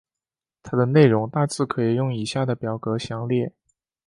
它的内容大致可以用以下的表格详列。